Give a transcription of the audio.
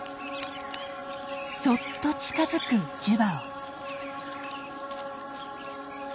そっと近づくジュバオ。